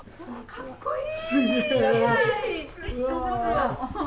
かっこいい！